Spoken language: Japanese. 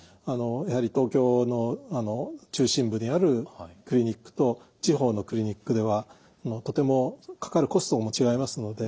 やはり東京の中心部にあるクリニックと地方のクリニックではとてもかかるコストも違いますので。